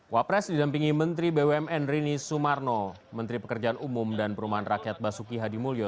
wapres didampingi menteri bumn rini sumarno menteri pekerjaan umum dan perumahan rakyat basuki hadimulyo